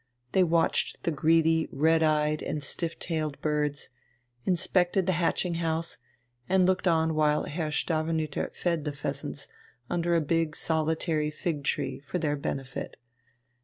They watched the greedy, red eyed, and stiff tailed birds, inspected the hatching house, and looked on while Herr Stavenüter fed the pheasants under a big solitary fig tree for their benefit.